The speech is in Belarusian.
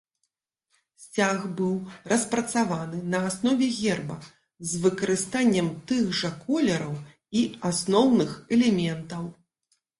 Сцяг быў распрацаваны на аснове герба з выкарыстаннем тых жа колераў і асноўных элементаў.